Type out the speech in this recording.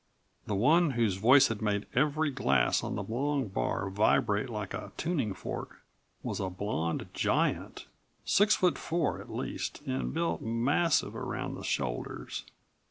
The one whose voice had made every glass on the long bar vibrate like a tuning fork was a blond giant, six foot four at least and built massive around the shoulders.